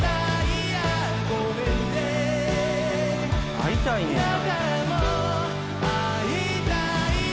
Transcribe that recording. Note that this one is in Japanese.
「会いたいねんな」